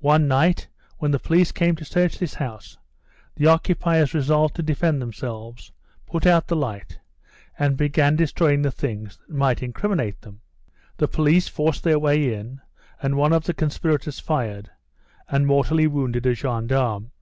One night, when the police came to search this house, the occupiers resolved to defend themselves, put out the light, and began destroying the things that might incriminate them. The police forced their way in, and one of the conspirators fired, and mortally wounded a gendarme.